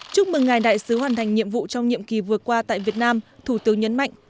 chúc mừng ngài đại sứ hoàn thành nhiệm vụ trong nhiệm kỳ vừa qua tại việt nam thủ tướng nhấn mạnh